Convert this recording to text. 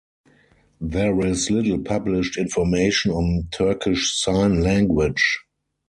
There is little published information on Turkish Sign Language.